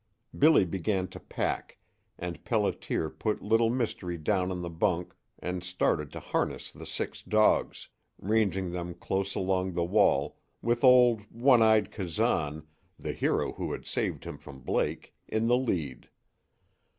Billy began to pack, and Pelliter put Little Mystery down on the bunk and started to harness the six dogs, ranging them close along the wall, with old one eyed Kazan, the hero who had saved him from Blake, in the lead.